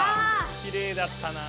きれいだったなぁ。